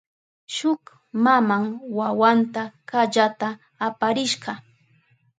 Shuk maman wawanta kallata aparishka.